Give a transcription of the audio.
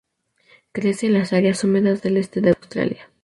Crece en las áreas húmedas del este de Australia.